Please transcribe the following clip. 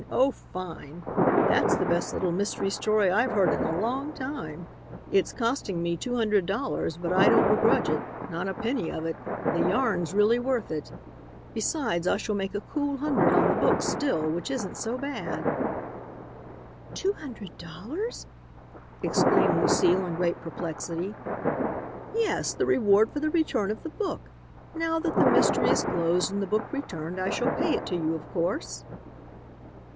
Oh, fine! That's the best little mystery story I've heard in a long time. It's costing me two hundred dollars, but I don't begrudge it, not a penny of it. The yarn's really worth it. Besides, I shall make a cool hundred on the book still, which isn't so bad." "Two hundred dollars!" exclaimed Lucile in great perplexity. "Yes, the reward for the return of the book. Now that the mystery is closed and the book returned, I shall pay it to you, of course."